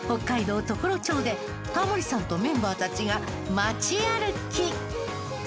常呂町でタモリさんとメンバーたちが町歩き。